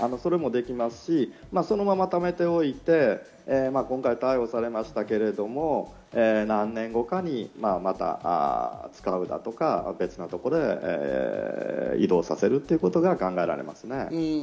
それもできますし、このまま貯めておいて、今回逮捕されましたけれども、何年後かにまた使うだとか、別のところへ移動させるということが考えられますね。